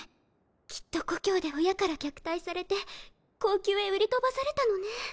きっと故郷で親から虐待されて後宮へ売り飛ばされたのね。